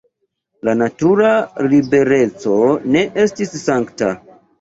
La natura libereco ne estis sankta.